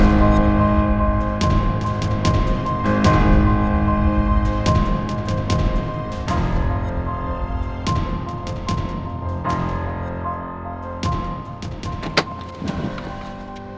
aku harus kabur